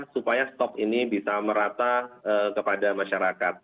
supaya stok ini bisa merata kepada masyarakat